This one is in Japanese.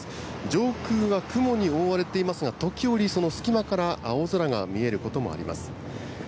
上空は雲に覆われていますが、時折、その隙間から青空が見えることもあります。